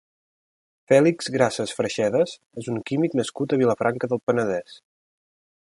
Fèlix Grases Freixedas és un químic nascut a Vilafranca del Penedès.